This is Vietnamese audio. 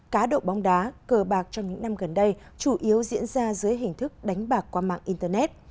cá độ bóng đá cờ bạc trong những năm gần đây chủ yếu diễn ra dưới hình thức đánh bạc qua mạng internet